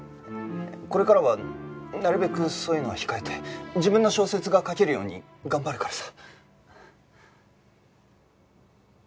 これからはなるべくそういうのは控えて自分の小説が書けるように頑張るからさ。